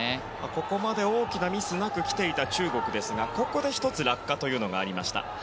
ここまで大きなミスなくきていた中国ですがここで１つ落下がありました。